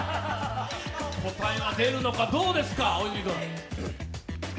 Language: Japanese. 答えは出るのか、どうですか、大泉君。